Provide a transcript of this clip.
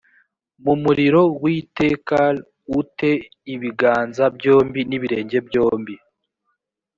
mu muriro w itekal u te ibiganza byombi n ibirenge byombi